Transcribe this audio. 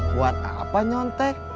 buat apa nyontek